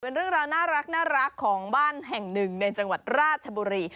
เป็นเรื่องราวน่ารักของบ้านแห่งหนึ่งในจังหวัดราชบุรี